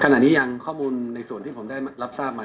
ขณะนี้ยังข้อมูลในส่วนที่ผมได้รับทราบมา